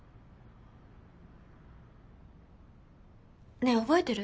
ねえ覚えてる？